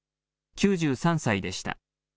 ９３歳でした。